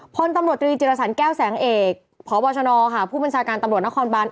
พรตำรวจตรีจิฐษัรแก้วแสงเอกพบนคพบริชาการตำรวจนครบาน